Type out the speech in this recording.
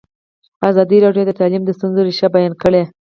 ازادي راډیو د تعلیم د ستونزو رېښه بیان کړې.